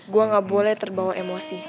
gue gak boleh terbawa emosi